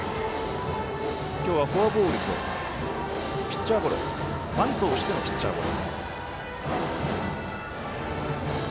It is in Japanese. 今日はフォアボールとバントをしてのピッチャーゴロ。